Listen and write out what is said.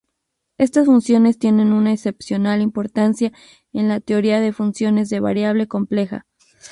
Estas funciones tienen una excepcional importancia en la teoría de funciones de variable compleja.